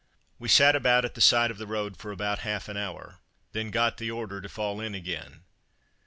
We sat about at the side of the road for about half an hour, then got the order to fall in again.